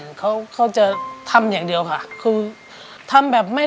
สามีก็ต้องพาเราไปขับรถเล่นดูแลเราเป็นอย่างดีตลอดสี่ปีที่ผ่านมา